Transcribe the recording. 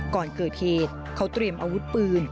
ก่อนเกิดเหตุเขาเตรียมอาวุธปืน